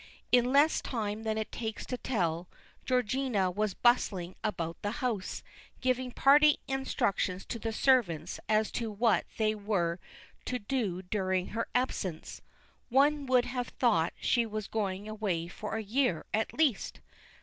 In less time than it takes to tell, Georgina was bustling about the house, giving parting instructions to the servants as to what they were to do during her absence (one would have thought she was going away for a year at least).